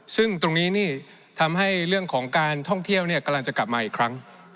ซึ่งตรงนี้นี่ทำให้เรื่องของการท่องเที่ยวกำลังจะกลับมาอีกครั้ง